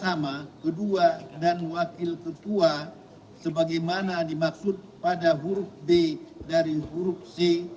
sama ketua dan wakil ketua sebagaimana dimaksud pada huruf d dan huruf c